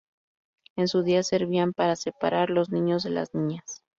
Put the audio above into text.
En su día, servían para separar los niños de las niñas.